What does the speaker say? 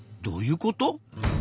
どういうこと？